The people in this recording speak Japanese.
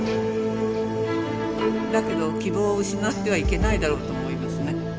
だけど希望を失ってはいけないだろうと思いますね。